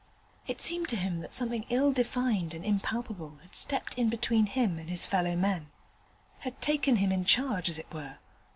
It seemed to him that something ill defined and impalpable had stepped in between him and his fellow men had taken him in charge, as it were.